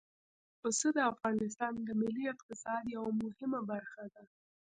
پسه د افغانستان د ملي اقتصاد یوه مهمه برخه ده.